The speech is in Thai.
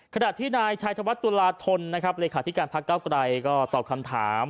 ขณะที่นายชัยธวัฒนตุลาธนนะครับเลขาธิการพักเก้าไกรก็ตอบคำถาม